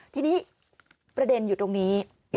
ทีนี้ประเด็นอยู่ตรงนี้